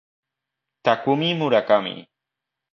Takumi Murakami